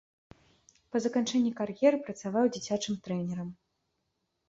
Па заканчэнні кар'еры працаваў дзіцячым трэнерам.